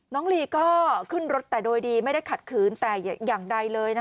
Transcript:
ลีก็ขึ้นรถแต่โดยดีไม่ได้ขัดขืนแต่อย่างใดเลย